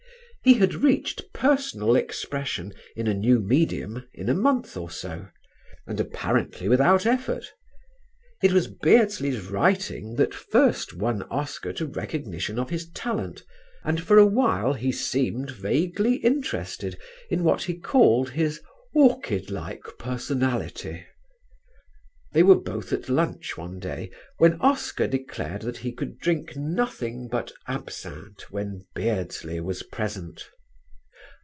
He had reached personal expression in a new medium in a month or so, and apparently without effort. It was Beardsley's writing that first won Oscar to recognition of his talent, and for a while he seemed vaguely interested in what he called his "orchid like personality." They were both at lunch one day when Oscar declared that he could drink nothing but absinthe when Beardsley was present.